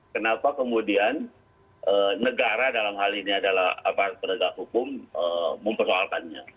kenapa kemudian negara dalam hal ini adalah aparat penegak hukum mempersoalkannya